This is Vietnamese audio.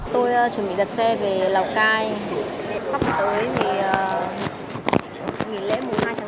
tôi chuẩn bị đặt xe về lào cai sắp tới vì nghỉ lễ mùa hai tháng chín